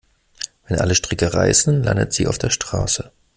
Wenn alle Stricke reißen, landet sie auf der Straße.